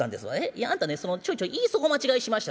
いやあんたねちょいちょい言いそこ間違いしまっしゃろ。